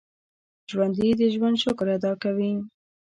ژوندي د ژوند شکر ادا کوي